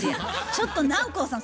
ちょっと南光さん